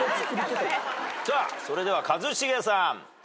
さあそれでは一茂さん。